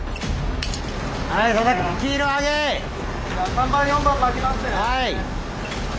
・３番４番巻きますね！